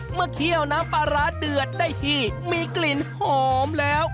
เคี่ยวน้ำปลาร้าเดือดได้ที่มีกลิ่นหอมแล้ว